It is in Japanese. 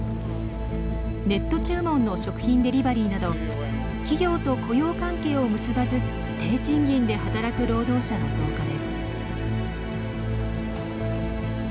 ネット注文の食品デリバリーなど企業と雇用関係を結ばず低賃金で働く労働者の増加です。